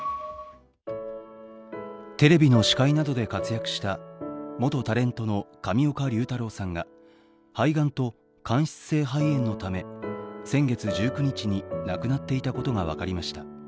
テレビの司会などで活躍した元タレントの上岡龍太郎さんが肺がんと間質性肺炎のため先月１９日に亡くなっていたことが分かりました。